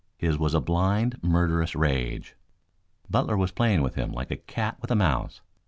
His was a blind, murderous rage. Butler was playing with him like a cat with a mouse.